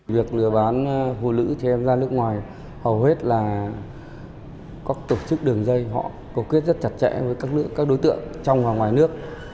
việc lừa bán phụ nữ trẻ em ra nước ngoài hầu hết là các tổ chức đường dây họ cổ quyết rất chặt chẽ với các đối tượng trong và ngoài nước